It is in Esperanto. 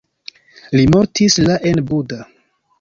Li mortis la en Buda.